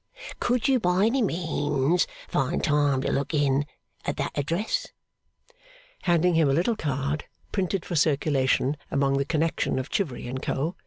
Could you by any means find time to look in at that address?' handing him a little card, printed for circulation among the connection of Chivery and Co.